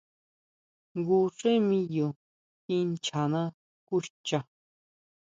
Jngu xé miyo kinchana nguxcha.